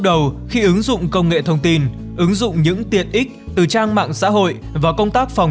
đầu khi ứng dụng công nghệ thông tin ứng dụng những tiện ích từ trang mạng xã hội và công tác phòng